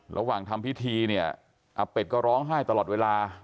ระหว่างทำพิธีเนี่ยอาเป็ดก็ร้องไห้ตลอดเวลา